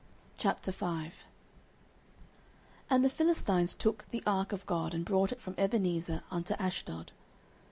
09:005:001 And the Philistines took the ark of God, and brought it from Ebenezer unto Ashdod.